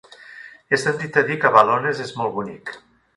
He sentit a dir que Balones és molt bonic.